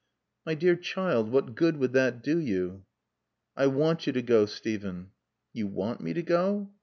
"My dear child, what good would that do you?" "I want you to go, Steven." "You want me to go?"